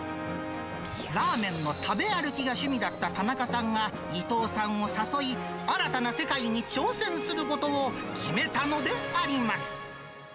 ラーメンの食べ歩きが趣味だった田中さんが伊藤さんを誘い、新たな世界に挑戦することを決めたのであります。